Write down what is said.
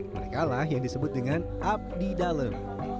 mereka lah yang disebut dengan abdi dalam